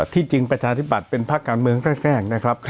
ที่จริงประชาธิบัติเป็นภาคการเมืองแทรกนะครับ